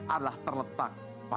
adalah terletak pada hati manusia